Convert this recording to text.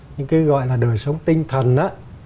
những cái gọi là đời sống tinh thần á